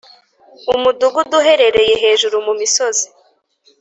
umudugudu uherereye hejuru mumisozi.